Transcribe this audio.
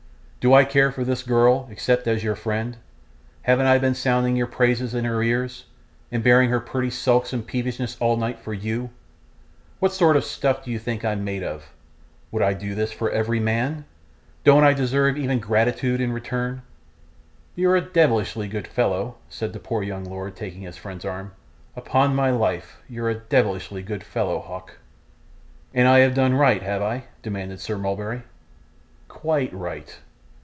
Do I care for this girl, except as your friend? Haven't I been sounding your praises in her ears, and bearing her pretty sulks and peevishness all night for you? What sort of stuff do you think I'm made of? Would I do this for every man? Don't I deserve even gratitude in return?' 'You're a deyvlish good fellow,' said the poor young lord, taking his friend's arm. 'Upon my life you're a deyvlish good fellow, Hawk.' 'And I have done right, have I?' demanded Sir Mulberry. 'Quite ri ght.